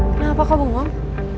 kenapa kau bengong